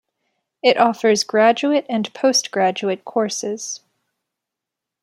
It offers graduate and postgraduate courses.